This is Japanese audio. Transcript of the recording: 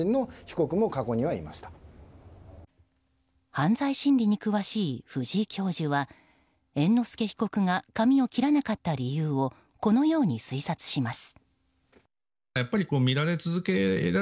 犯罪心理に詳しい藤井教授は猿之助被告が髪を切らなかった理由を、このように推察します。